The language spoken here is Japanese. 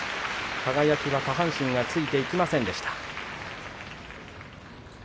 輝は下半身がついていきませんでした。